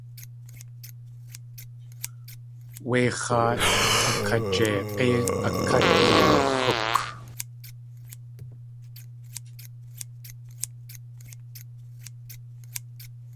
Wé x̲áat a kajeig̲í a kát uwaxúk.